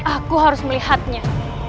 aku harus melihatnya